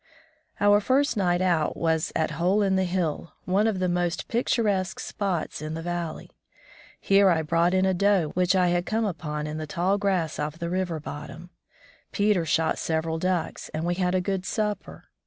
Our first night out was at Hole in the Hill, one of the most picturesque spots in the valley. Here I brought in a doe, which I had come upon in the tall grass of the river bottom. Peter shot several ducks, and we had a good supper.